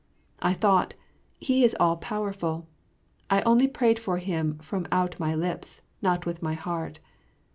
I thought, "He is all powerful. I only prayed to him from out my lips, not with my heart.